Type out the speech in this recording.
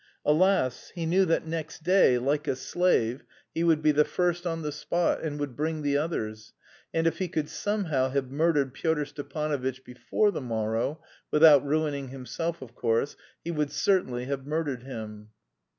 Alas! he knew that next day "like a slave" he would be the first on the spot and would bring the others, and if he could somehow have murdered Pyotr Stepanovitch before the morrow, without ruining himself, of course, he would certainly have murdered him.